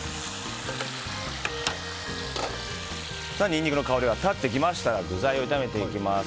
ニンニクの香りが立ってきましたら具材を炒めていきます。